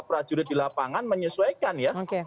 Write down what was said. prajurit di lapangan menyesuaikan ya